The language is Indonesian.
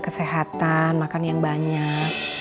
kesehatan makan yang banyak